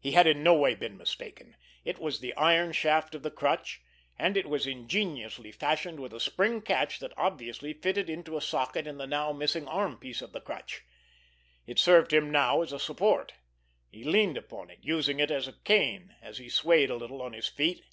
He had in no way been mistaken. It was the iron shaft of the crutch, and it was ingeniously fashioned with a spring catch that obviously fitted into a socket in the now missing armpiece of the crutch. It served him now as a support. He leaned upon it, using it as a cane, as he swayed a little on his feet.